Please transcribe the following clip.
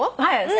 はい。